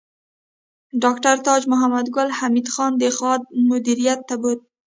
ډاکټر تاج محمد ګل حمید خان د خاد مدیریت ته بوت